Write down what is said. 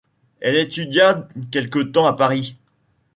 Elle étudia quelque temps à Paris.